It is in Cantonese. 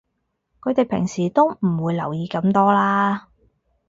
佢哋平時都唔會留意咁多啦